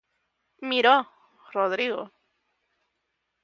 Miró, Rodrigo.